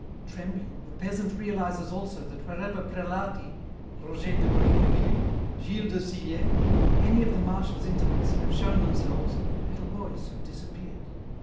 Trembling, the peasant realizes also that wherever Prelati, Roger de Bricqueville, Gilles de Sillé, any of the Marshal's intimates, have shown themselves, little boys have disappeared.